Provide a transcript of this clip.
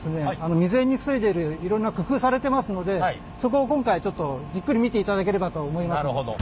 未然に防いでいるいろんな工夫されてますのでそこを今回ちょっとじっくり見ていただければとは思いますので。